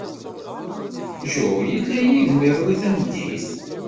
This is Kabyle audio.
Joe yella yid-m iḍelli tameddit?